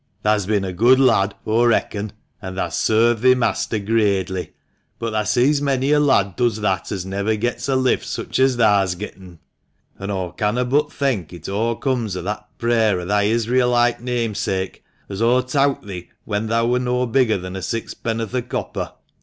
Thah's bin a good lad, aw reckon, an' thah's sarved thi master gradely ; but thah sees many a lad does that as never gets a lift such as thah's getten. An' aw canno' but thenk it o' comes o' that prayer o' thy Israelite namesake, as aw towt thee when thou were no bigger than sixpenn'orth o' copper.